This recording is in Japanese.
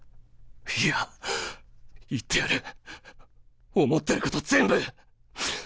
イヤ言ってやる思ってること全部。